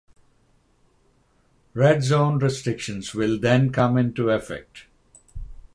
Red zone restrictions will then come into effect.